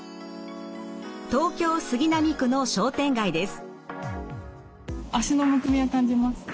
東京・杉並区の商店街です。